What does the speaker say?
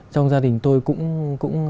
trong gia đình tôi cũng